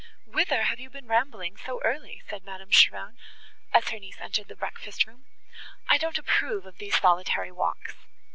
"Whither have you been rambling so early?" said Madame Cheron, as her niece entered the breakfast room. "I don't approve of these solitary walks."